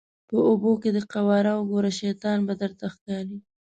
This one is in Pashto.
په اوبو کې دې قواره وګوره شیطان به درته ښکاري.